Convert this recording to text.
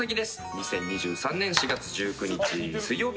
２０２３年４月１９日水曜日